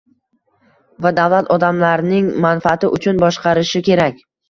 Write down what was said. Va davlat odamlarning manfaati uchun boshqarishi kerak